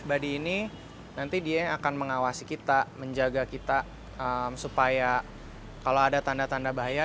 body ini nanti dia yang akan mengawasi kita menjaga kita supaya kalau ada tanda tanda bahaya